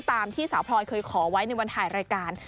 ตามที่สาวพลอยเคยขอไว้ในวันถ่ายรายการ